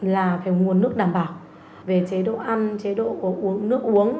là phải nguồn nước đảm bảo về chế độ ăn chế độ nước uống